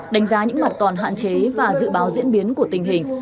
đánh giá những mặt còn hạn chế và dự báo diễn biến của tình hình